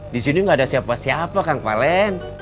disini gak ada siapa siapa kang valen